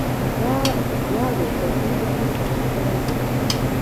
دا دواړو پر دې بهیر نقد کړی دی.